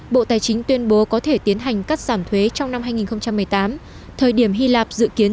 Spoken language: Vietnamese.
bộ tài chính tuyên bố có thể tiến hành cắt giảm thuế trong năm hai nghìn một mươi tám thời điểm hy lạp dự kiến